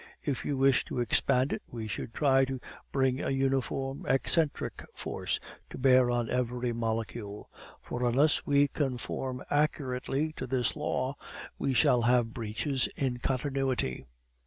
If you wish to expand it, we should try to bring a uniform eccentric force to bear on every molecule; for unless we conform accurately to this law, we shall have breaches in continuity.